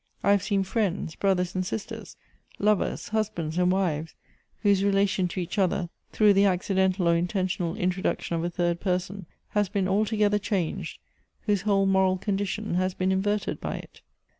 I have seen friends, bi'othors and sisters, lovers, husbands and wives, whose relation to each other, through the accidental or inten tional introduction of a third person, has been altogether Elective Affinities. 9 changed — whose whole moral condition has been inver ted by it."